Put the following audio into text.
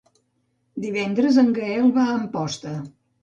Divendres en Gaël va a Amposta.